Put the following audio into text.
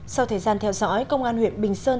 sau thời gian theo dõi công an huyện bình sơn